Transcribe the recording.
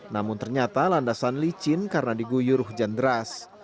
namun ternyata landasan licin karena diguyur hujan deras